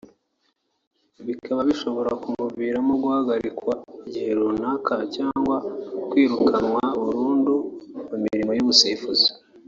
bikaba bishobora kumuviramo guhagarikwa igihe runaka cyangwa kwirukanwa burundu mu mirimo y’ubusifuzi